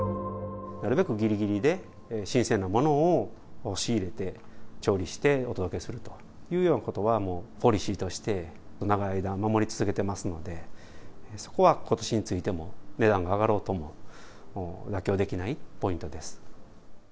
なるべくぎりぎりで新鮮なものを仕入れて調理して、お届けするというようなことは、もうポリシーとして長い間守り続けてますので、そこはことしについても、値段が上がろうとも妥協できないポイントです。